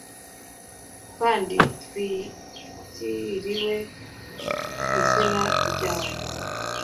kandi twitiriwe izina ryawe